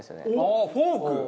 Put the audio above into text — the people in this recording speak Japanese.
あっフォーク？